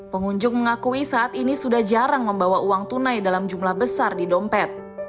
pengunjung mengakui saat ini sudah jarang membawa uang tunai dalam jumlah besar di dompet